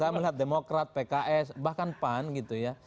saya melihat demokrat pks bahkan pan gitu ya